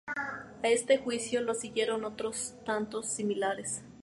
A este juicio le siguieron otros tantos similares.